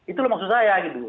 itu loh maksud saya